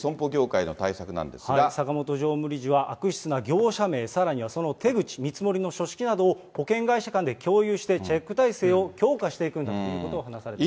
坂本常務理事は、悪質な業者名、さらにはその手口、見積もりの書式などを保険会社間で共有してチェック体制を強化していくんだということを話されています。